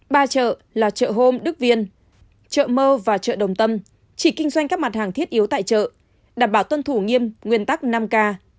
ba chợ là chợ hôm đức viên chợ mơ và chợ đồng tâm chỉ kinh doanh các mặt hàng thiết yếu tại chợ đảm bảo tuân thủ nghiêm nguyên tắc năm k